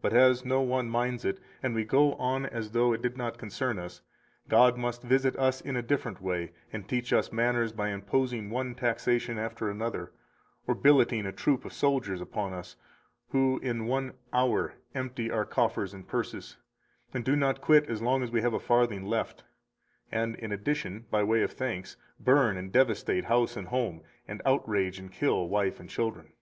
244 But as no one minds it, and we go on as though it did not concern us, God must visit us in a different way and teach us manners by imposing one taxation after another, or billeting a troop of soldiers upon us, who in one hour empty our coffers and purses, and do not quit as long as we have a farthing left, and in addition, by way of thanks, burn and devastate house and home, and outrage and kill wife and children.